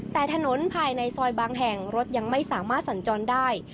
แต่ถนนภายในซอยบางแห่งรถยังไม่สามารถสัญจรได้